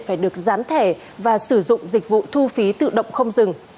phải được gián thẻ và sử dụng dịch vụ thu phí tự động không dừng